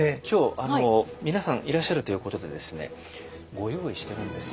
今日皆さんいらっしゃるということでご用意してるんです。